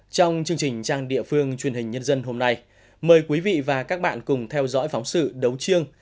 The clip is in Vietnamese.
trong chương trình trang địa phương truyền hình nhân dân hôm nay mời quý vị và các bạn cùng theo dõi phóng sự đấu chương